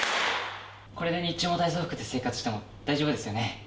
これで日中も体操服で生活しても大丈夫ですよね？